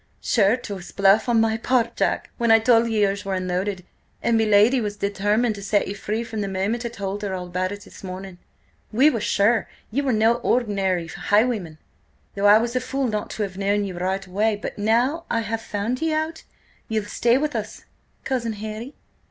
"Sure 'twas bluff on my part, Jack, when I told ye yours was unloaded And me lady was determined to set you free from the moment I told her all about it this morning. We were sure ye were no ordinary highwayman, though I was a fool not to have known ye right away. But now I have found ye out, ye'll stay with us–Cousin Harry?"